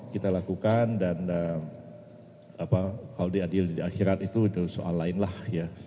kita lakukan dan kalau diadil di akhirat itu soal lain lah ya